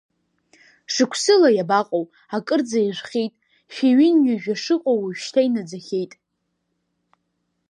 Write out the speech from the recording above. Шықәсыла иабаҟоу, акырӡа иажәхьеит, шәи ҩынҩажәа шыҟоу уажәшьҭа инаӡахьеит.